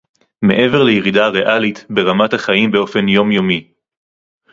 מעבר לירידה הריאלית ברמת החיים באופן יומיומי